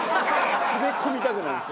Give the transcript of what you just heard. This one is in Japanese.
詰め込みたくなるんですよ。